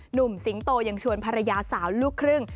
หนุ่มสิงโตยังชวนภรรยาสาวลูกครึ่ง